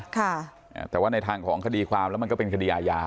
แต่ว่าในทางของคดีความแล้วมันก็เป็นคดีอาญา